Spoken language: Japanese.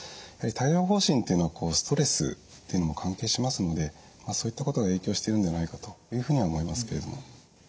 帯状ほう疹っていうのはストレスっていうのも関係しますのでそういったことが影響してるのではないかというふうに思いますけれども。